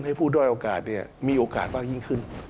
ให้ผู้ด้อยโอกาสมีโอกาสมากยิ่งขึ้น